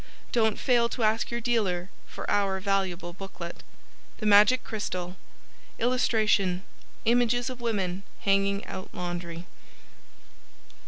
Don't fail to ask your dealer for our valuable booklet The Magic Crystal [Illustration: Images of women hanging out laundry.